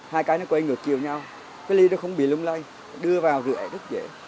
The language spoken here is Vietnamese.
hai cái nó quay ngược chiều nhau cái ly nó không bị lung lay đưa vào rửa rất dễ